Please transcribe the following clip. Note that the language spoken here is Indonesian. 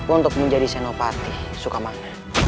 untuk menjadi senopati sukamang